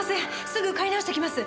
すぐ買い直してきます！